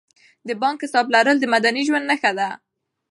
د بانک حساب لرل د مدني ژوند نښه ده.